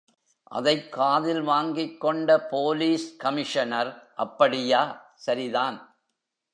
அதைக் காதில் வாங்கிக் கொண்ட போலீஸ் கமிஷனர், அப்படியா, சரிதான்.